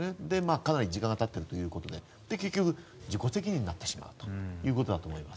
かなり時間が経っているということで結局自己責任になってしまうということです。